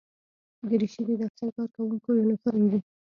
دریشي د دفتر کارکوونکو یونیفورم وي.